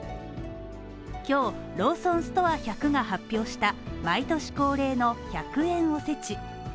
今日、ローソンストア１００が発表した毎年恒例の１００円おせち。